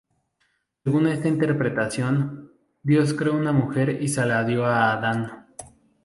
Según esta interpretación, Dios creó una mujer y se la dio a Adán.